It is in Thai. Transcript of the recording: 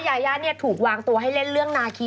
ยายาเนี่ยถูกวางตัวให้เล่นเรื่องนาคี